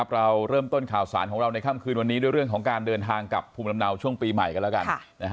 เราเริ่มต้นข่าวสารของเราในค่ำคืนวันนี้ด้วยเรื่องของการเดินทางกับภูมิลำเนาช่วงปีใหม่กันแล้วกัน